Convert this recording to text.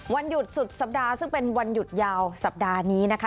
วันหยุดสุดสัปดาห์ซึ่งเป็นวันหยุดยาวสัปดาห์นี้นะคะ